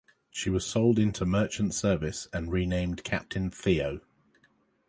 She was sold into merchant service and renamed Captain Theo.